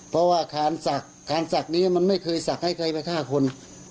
เพราะว่าคานศักดิ์นี้มันไม่เคยศักดิ์ให้ใครไปฆ่าคน